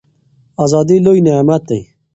ازادي لوی نعمت دی.